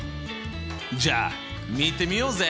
じゃあ見てみようぜ！